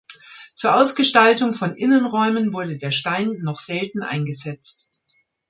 Zur Ausgestaltung von Innenräumen wurde der Stein noch selten eingesetzt.